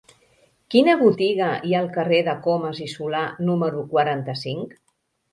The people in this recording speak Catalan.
Quina botiga hi ha al carrer de Comas i Solà número quaranta-cinc?